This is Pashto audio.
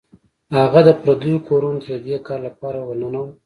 هغه د پردیو کورونو ته د دې کار لپاره ورنوت.